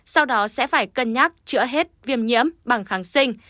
sau đó sẽ phải cân nhắc chữa hết viêm nhiễm bằng kháng sinh